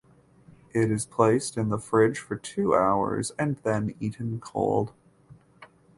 It is placed in the fridge for two hours and then eaten cold.